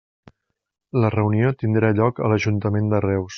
La reunió tindrà lloc a l'Ajuntament de Reus.